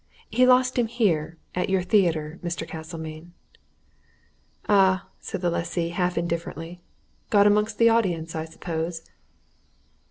He lost him here at your theatre, Mr. Castlemayne." "Ah!" said the lessee, half indifferently. "Got amongst the audience, I suppose?"